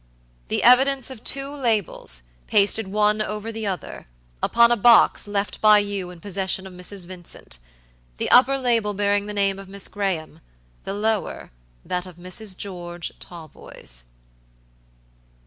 "The evidence of two labels, pasted one over the other, upon a box left by you in possession of Mrs. Vincent, the upper label bearing the name of Miss Graham, the lower that of Mrs. George Talboys."